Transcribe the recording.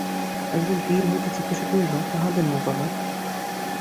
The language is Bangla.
একজন তীর হইতে জিজ্ঞাসা করিল, কাহাদের নৌকা গা?